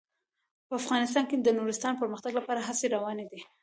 په افغانستان کې د نورستان د پرمختګ لپاره هڅې روانې دي.